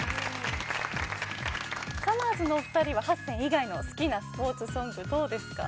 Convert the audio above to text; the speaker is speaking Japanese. さまぁずのお二人は８選以外の好きなスポーツソングどうですか？